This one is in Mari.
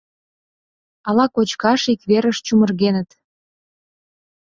Ала кочкаш ик верыш чумыргеныт?..